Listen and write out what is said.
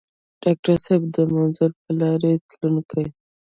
ډاکټر صېب د منزل پۀ لارې تلونکے